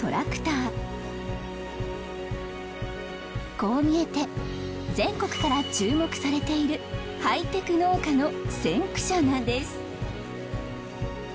こう見えて全国から注目されているハイテク農家の先駆者なんです。